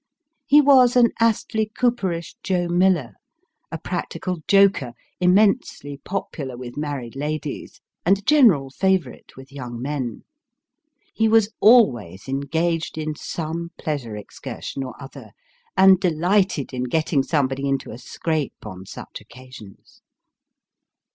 He was an Astley Cooperish Joe Miller a practical joker, immensely popular with married ladies, and a general favourite with young men. He was always engaged in some pleasure excursion or other, and delighted in getting somebody Modern Council of Ten. 291 into a scrape on such occasions.